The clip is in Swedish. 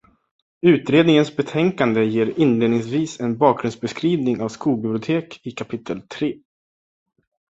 Utredningens betänkande ger inledningsvis en bakgrundsbeskrivning av skolbibliotek i kapitel tre.